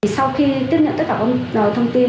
sau khi tiếp nhận tất cả các thông tin